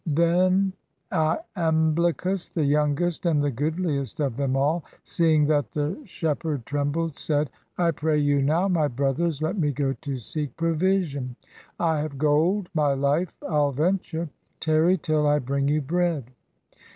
Then lamblicus, the youngest. And the goodliest of them all, Seeing that the shepherd trembled, Said, " I pray you now, my brothers, Let me go to seek provision ; I have gold; my life I'll venture; Tarry till I bring you bread."